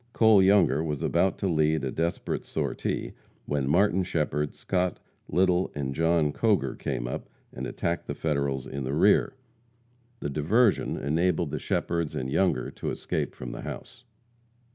Cole Younger was about to lead a desperate sortie, when Martin Shepherd, Scott, Little and John Coger came up and attacked the Federals in the rear. The diversion enabled the Shepherds and Younger to escape from the house.